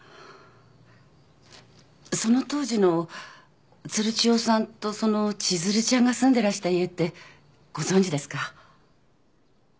その当時の鶴千代さんとその千鶴ちゃんが住んでらした家ってご存じですか？